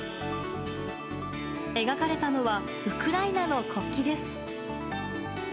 描かれたのはウクライナの国旗です。